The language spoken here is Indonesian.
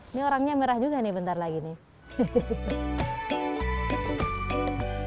ini orangnya merah juga nih bentar lagi nih